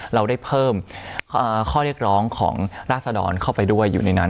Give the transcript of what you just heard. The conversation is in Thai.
เราได้เพิ่มข้อเรียกร้องของราศดรเข้าไปด้วยอยู่ในนั้น